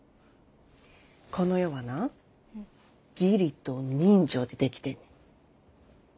この世はな義理と人情で出来てんねん。